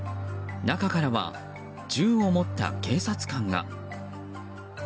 中からは銃を持った警察官が。